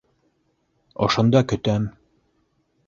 Ошонда көтәм!